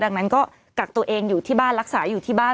ดังนั้นก็กักตัวเองอยู่ที่บ้านรักษาอยู่ที่บ้าน